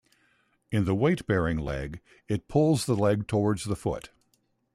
In the weight-bearing leg, it pulls the leg towards the foot.